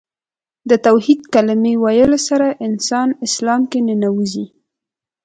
د توحید کلمې ویلو سره انسان اسلام کې ننوځي .